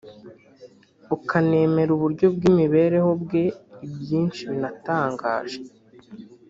ukanemera uburyo bw’imibereho bwe ibyinshi binatangaje